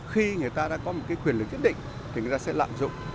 khi người ta đã có một quyền lực nhất định thì người ta sẽ lạm dụng